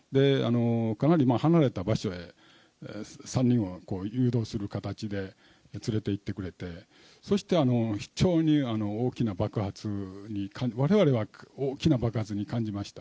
かなり離れた場所へ３人を誘導する形で連れていってくれて、そして非常に大きな爆発に、われわれは大きな爆発に感じました。